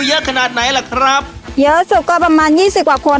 เยอะขนาดไหนล่ะครับเยอะสุดก็ประมาณยี่สิบกว่าคน